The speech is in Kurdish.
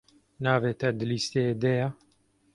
Navê te di lîsteyê de ye?